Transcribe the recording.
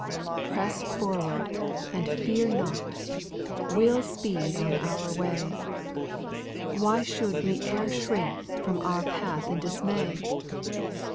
4* Press forward and fear not; we'll speed on our way ; Why should we e'er shrink from our path in dismay